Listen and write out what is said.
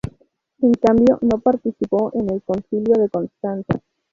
En cambio, no participó en el Concilio de Constanza.